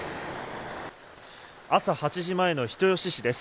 朝８時前の人吉市です。